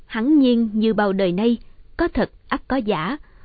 hắn nhiên như bao đời nay có thật ác có giả